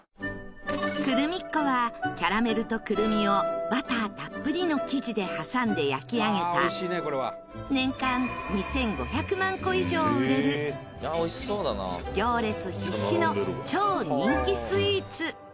クルミッ子はキャラメルとクルミをバターたっぷりの生地で挟んで焼き上げた年間２５００万個以上売れる行列必至の超人気スイーツ。